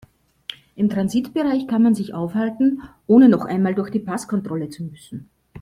Im Transitbereich kann man sich aufhalten, ohne noch einmal durch die Passkontrolle zu müssen.